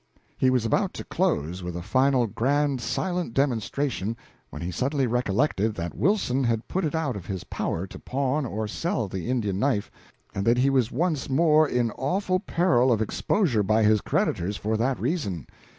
He was about to close with a final grand silent demonstration, when he suddenly recollected that Wilson had put it out of his power to pawn or sell the Indian knife, and that he was once more in awful peril of exposure by his creditors for that reason.